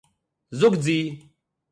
זאָגט זי